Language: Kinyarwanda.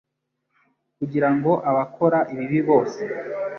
kugira ngo abakora ibibi bose